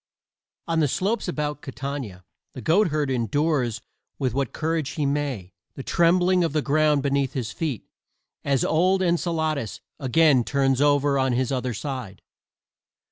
On the slopes about Catania the goatherd endures with what courage he may the trembling of the ground beneath his feet as old Enceladus again turns over on his other side.